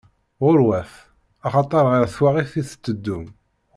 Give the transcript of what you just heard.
Ɣur-wat, axaṭer ɣer twaɣit i tetteddum!